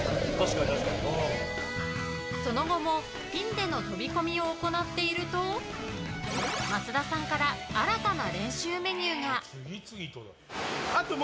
その後もフィンでの飛び込みを行っていると松田さんから新たな練習メニューが。